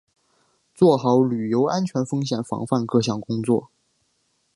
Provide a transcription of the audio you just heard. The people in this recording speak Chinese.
做好旅游安全风险防范各项工作